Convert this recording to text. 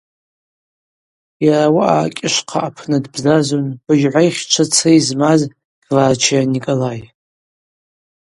Йара ауаъа акӏьышвхъа апны дбзазун быжьгӏвахщчвацри змаз Кварчиа Николай.